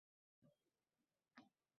Kasb-hunar maktablariga qabul boshlandi